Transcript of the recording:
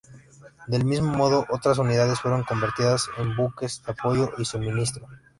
Del mismo modo, otras unidades fueron convertidas en buques de apoyo y suministro.